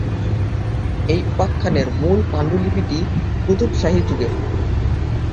এই উপাখ্যানের মূল পাণ্ডুলিপিটি কুতুব শাহী যুগের।